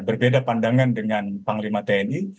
berbeda pandangan dengan panglima tni